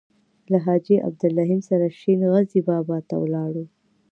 له حاجي عبدالرحیم سره شین غزي بابا ته ولاړو.